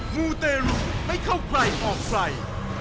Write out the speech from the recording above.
มูเตรุไม่เข้าใครออกใคร